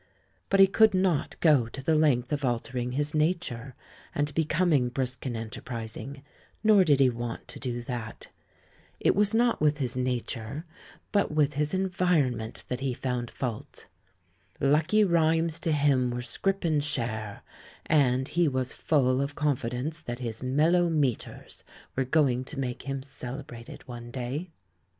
But he could not go to the length of altering his nature and becoming brisk and enterprising, nor did he want to do that. It was not with his nature, but with his 81 83 THE MAN WHO UNDERSTOOD WOMEN environment that he found fault. "Lucky rhymes to him were scrip and share," and he was full of confidence that his "mellow metres" were going to make him celebrated one day.